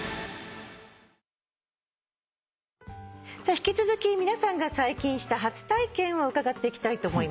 引き続き皆さんが最近した初体験を伺っていきたいと思います。